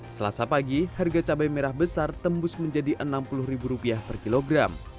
selasa pagi harga cabai merah besar tembus menjadi enam puluh ribu rupiah per kilogram